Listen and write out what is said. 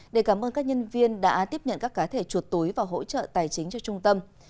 để cảm ơn các nhân viên đã tiếp nhận các cá thể chuột túi và hỗ trợ tài chính cho trung tâm